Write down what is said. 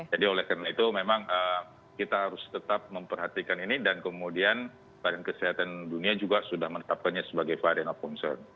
jadi oleh karena itu memang kita harus tetap memperhatikan ini dan kemudian barang kesehatan dunia juga sudah menetapkannya sebagai varian of concern